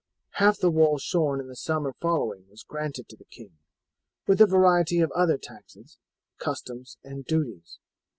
Half the wool shorn in the summer following was granted to the king, with a variety of other taxes, customs, and duties.